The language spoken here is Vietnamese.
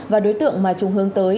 và đối tượng mà trùng hướng tới